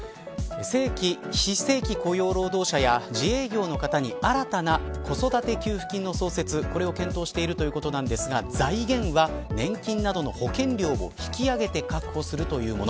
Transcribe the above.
非正規雇用労働者や自営業の方に新たな子育て給付金の創設を検討しているということですが財源は年金などの保険料を引き上げて確保するというもの。